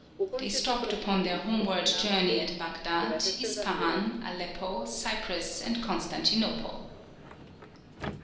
They stopped upon their homeward journey at Bagdad, Ispahan, Aleppo, Cyprus, and Constantinople.